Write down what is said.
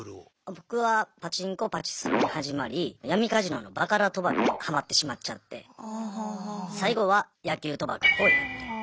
僕はパチンコパチスロに始まり闇カジノのバカラ賭博にハマってしまっちゃって最後は野球賭博をやって。